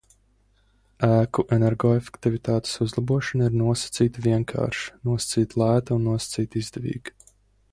Ēku energoefektivitātes uzlabošana ir nosacīti vienkārša, nosacīti lēta un nosacīti izdevīga.